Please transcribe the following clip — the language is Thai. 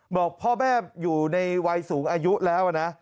บอกพ่อแม่อยู่ในวัยสูงอายุแล้วนะ